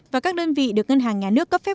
và các đơn vị được ngân hàng nhà nước cấp phép